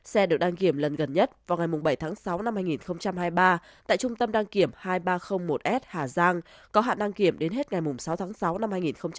xe được đăng kiểm lần gần nhất vào ngày bảy tháng sáu năm hai nghìn hai mươi ba tại trung tâm đăng kiểm hai nghìn ba trăm linh một s hà giang có hạn đăng kiểm đến hết ngày sáu tháng sáu năm hai nghìn hai mươi ba